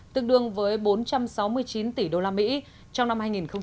tương đương với bốn trăm sáu mươi chín tỷ usd trong năm hai nghìn một mươi bảy